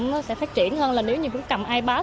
nó sẽ phát triển hơn là nếu như cũng cầm ipad